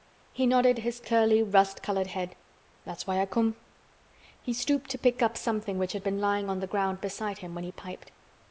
He nodded his curly, rust colored head. "That's why I come." He stooped to pick up something which had been lying on the ground beside him when he piped.